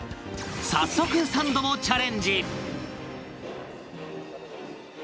早速サンドもチャレンジ！